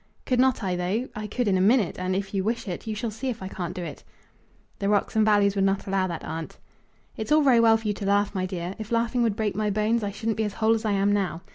"Could not I, though? I could in a minute; and, if you wish it, you shall see if I can't do it." "The rocks and valleys would not allow that, aunt." "It's all very well for you to laugh, my dear. If laughing would break my bones I shouldn't be as whole as I am now.